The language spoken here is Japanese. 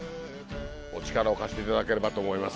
お力を貸していただければと思います。